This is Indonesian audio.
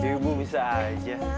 dibu bisa aja